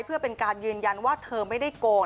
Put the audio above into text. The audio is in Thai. เพื่อเป็นการยืนยันว่าเธอไม่ได้โกน